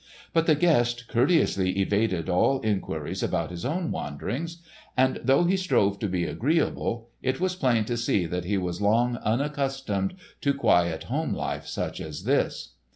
But the guest courteously evaded all inquiries about his own wanderings, and though he strove to be agreeable, it was plain to see that he was long unaccustomed to quiet home life such as this.